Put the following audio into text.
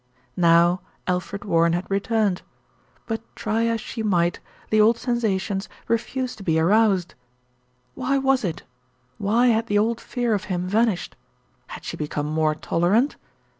Now Alfred Warren had returned; but try as she might, the old sensations refused to be aroused. Why was it? Why had the old fear of him vanished? Had she become more tolerant?